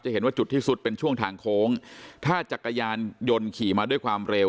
เห็นว่าจุดที่สุดเป็นช่วงทางโค้งถ้าจักรยานยนต์ขี่มาด้วยความเร็ว